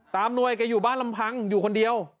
หน่วยแกอยู่บ้านลำพังอยู่คนเดียว